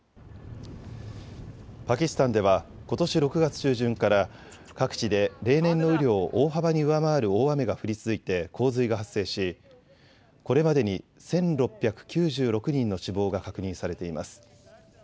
パキスタンではことし６月中旬から各地で例年の雨量を大幅に上回る大雨が降り続いて洪水が発生しこれまでに１６９６人の死亡が確認されています。